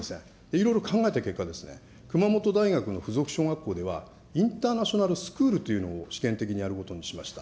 いろいろ考えた結果、熊本大学の付属小学校では、インターナショナルスクールというのを試験的にやることにしました。